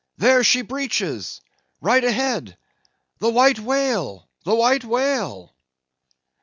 there she breaches! right ahead! The White Whale, the White Whale!"